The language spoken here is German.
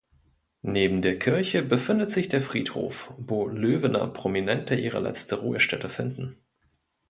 Neben der Kirche befindet sich der Friedhof, wo Löwener Prominente ihre letzte Ruhestätte finden.